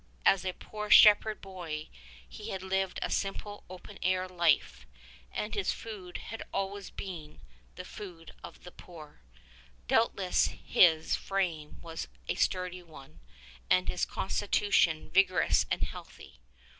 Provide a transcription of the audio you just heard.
As a poor shepherd boy he had lived a simple open air life, and his food had always been the food of the poor. Doubtless his frame was a sturdy one and his constitution vigorous and healthy.